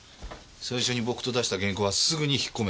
最初に僕と出した原稿はすぐに引っ込めて。